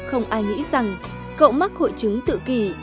không ai nghĩ rằng cậu mắc hội chứng tự kỷ